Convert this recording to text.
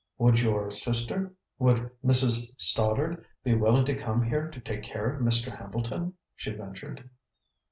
"Would your sister would Mrs. Stoddard be willing to come here to take care of Mr. Hambleton?" she ventured.